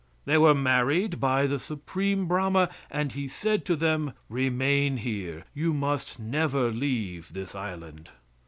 They were married by the Supreme Brahma, and he said to them, "Remain here; you must never leave this island."